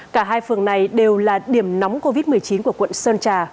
cả hai phường này đều là điểm nóng covid một mươi chín của quận sơn trà